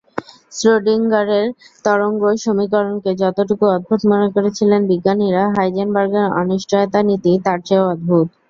শ্রোডিংগারের তরঙ্গ সমীকরণকে যতটুকু অদ্ভুত মনে করেছিলেন বিজ্ঞানীরা, হাইজেনবার্গের অনিশ্চয়তা–নীতি তার চেয়েও অদ্ভুত।